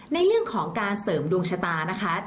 ในเรื่องของการเสริมดวงชะตานะคะ